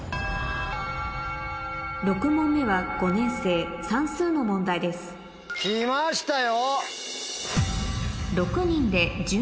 ６問目は５年生算数の問題ですきましたよ！